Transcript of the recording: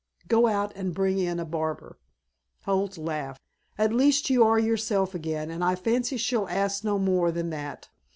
Go out and bring in a barber." Holt laughed. "At least you are yourself again and I fancy she'll ask no more than that.